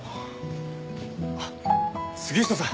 あっ杉下さん。